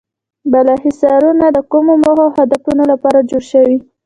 بالا حصارونه د کومو موخو او هدفونو لپاره جوړ شوي.